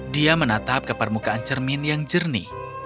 dia menatap ke permukaan cermin yang jernih